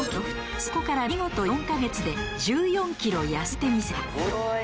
そこから見事４カ月で１４キロ痩せてみせた。